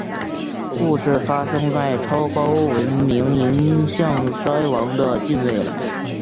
故事发生在超高度文明迎向衰亡的近未来。